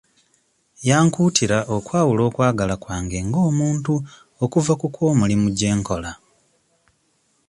Yankuutira okwawula okwagala kwange ng'omuntu okuva ku kw'omulimu gye nkola.